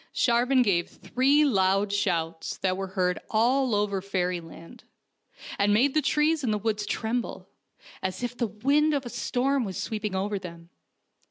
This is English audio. Shar van gave three loud shouts that were heard all over fairyland, and made the trees in the woods tremble, as if the wind of a storm was sweeping over them.